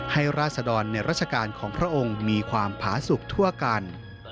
ราศดรในราชการของพระองค์มีความผาสุขทั่วกัน